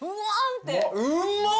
うまっ！